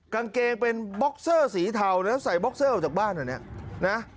กางเกงเป็นบ็อกเซอร์สีเทานะใส่บ็อกเซอร์ออกจากบ้านเหรอเนี่ยนะ